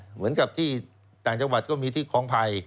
เหมือนกับที่ต่างจังหวัดก็มีที่คล้องภัย